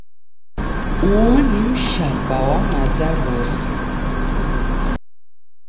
Uo nio mshapa wa maza rose.